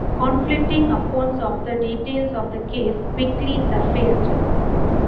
Conflicting accounts of the details of the case quickly surfaced.